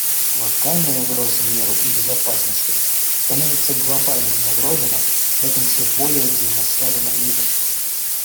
Локальные угрозы миру и безопасности становятся глобальными угрозами в этом все более взаимозависимом мире.